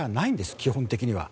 基本的には。